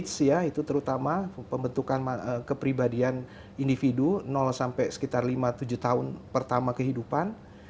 konteks ya itu terutama pembentukan kepribadian individu sampai sekitar lima tujuh tahun pertama kehidupan